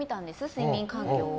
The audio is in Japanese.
睡眠環境を。